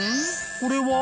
これは？